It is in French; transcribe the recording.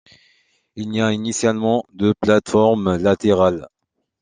Il y a initialement deux plates-formes latérales.